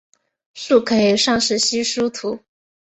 树可以算是稀疏图。